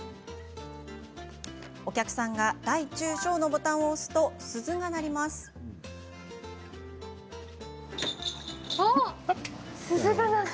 お客さんが大中小のボタンを押すと、鈴が鳴ります。